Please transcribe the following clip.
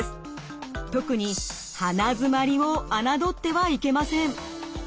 特に鼻づまりをあなどってはいけません。